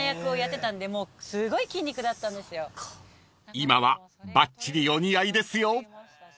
［今はばっちりお似合いですよ］